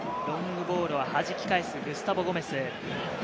ロングボールをはじき返す、グスタボ・ゴメス。